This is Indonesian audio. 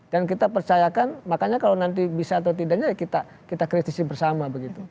dan kita percayakan makanya kalau nanti bisa atau tidaknya kita kritisi bersama begitu